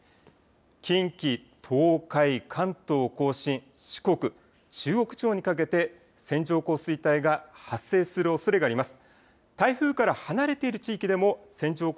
近畿、東海、関東甲信、四国、中国地方にかけて、線状降水帯が発生するおそれがあります。